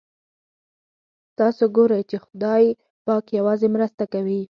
تاسو ګورئ چې خدای پاک یوازې مرسته کوي.